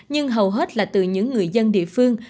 nhưng hầu hết là từ những người dân địa phương